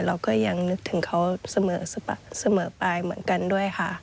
เราก็ยังนึกถึงเขาเสมอไปเหมือนกันด้วยค่ะ